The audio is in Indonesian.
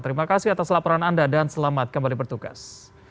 terima kasih atas laporan anda dan selamat kembali bertugas